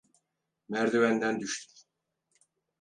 Merdivenden düştüm.